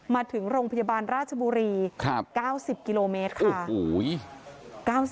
มาถึงโรงพยาบาลราชบุรี๙๐กิโลเมตรค่ะ